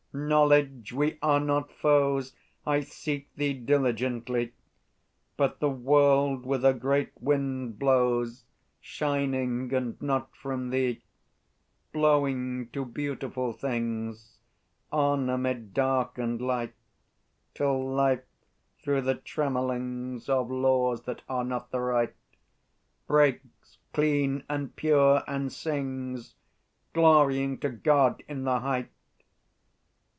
Knowledge, we are not foes! I seek thee diligently; But the world with a great wind blows, Shining, and not from thee; Blowing to beautiful things, On, amid dark and light, Till Life, through the trammellings Of Laws that are not the Right, Breaks, clean and pure, and sings Glorying to God in the height!